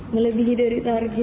melebihi dari target